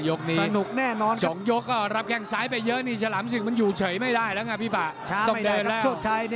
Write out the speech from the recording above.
๒ยกมันก็รับแค่งซ้ายไปเยอะนี่